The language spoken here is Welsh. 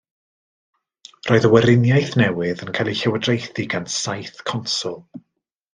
Roedd y weriniaeth newydd yn cael ei llywodraethu gan saith conswl.